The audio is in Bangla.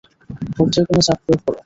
পর্যায়ক্রমে চাপ প্রয়োগ করো।